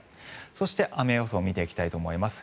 そして、雨予想を見ていきたいと思います。